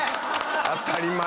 当たり前！